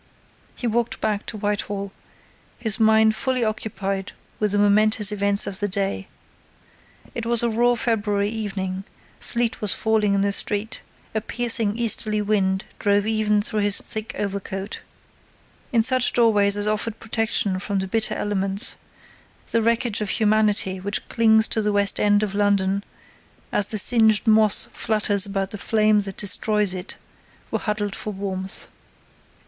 He walked back to Whitehall, his mind fully occupied with the momentous events of the day. It was a raw February evening, sleet was falling in the street, a piercing easterly wind drove even through his thick overcoat. In such doorways as offered protection from the bitter elements the wreckage of humanity which clings to the West end of London, as the singed moth flutters about the flame that destroys it, were huddled for warmth.